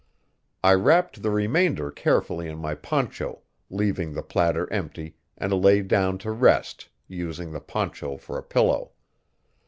I wrapped the remainder carefully in my poncho, leaving the platter empty, and lay down to rest, using the poncho for a pillow.